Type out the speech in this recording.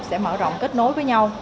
sẽ mở rộng kết nối với nhau